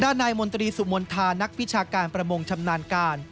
นายมนตรีสุมนธานักวิชาการประมงชำนาญการ